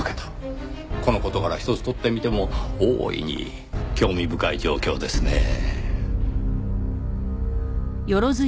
この事柄ひとつ取ってみても大いに興味深い状況ですねぇ。